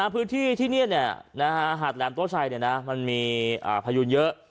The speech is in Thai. พื้นที่ที่นี่หาดแหลมโต๊ชัยมันมีพายุนเยอะ